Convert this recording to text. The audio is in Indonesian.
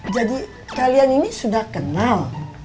jadi kalian ini sudah kenal